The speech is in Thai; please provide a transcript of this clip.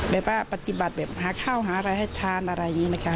แบบว่าปฏิบัติแบบหาข้าวหาอะไรให้ทานอะไรอย่างนี้นะคะ